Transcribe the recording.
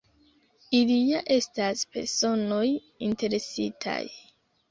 Ili ja estas personoj interesitaj.